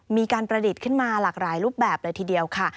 มีการประดิษฐ์ขึ้นมาหลากหลายรูปแบบเลยทีเดียวค่ะ